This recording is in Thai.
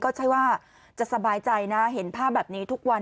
ก็ใช่ว่าจะสบายใจนะเห็นภาพแบบนี้ทุกวัน